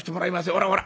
ほらほら。